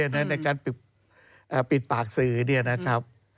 ในการปิดปากสื่อเนี่ยนะครับ